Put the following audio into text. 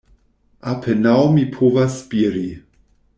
"Apenaŭ mi povas spiri.